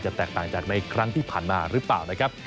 แตกต่างจากในครั้งที่ผ่านมาหรือเปล่านะครับ